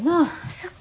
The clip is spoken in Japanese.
そっか。